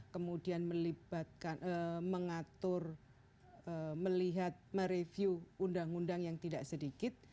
kemudian melibatkan mengatur melihat mereview undang undang yang tidak sedikit